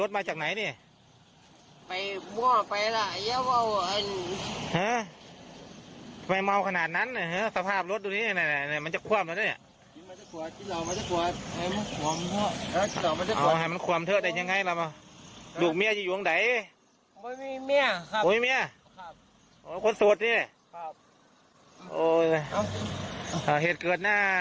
แต่ว่าคนเมาจริงเป็นแบบไหนดูคลิปค่ะ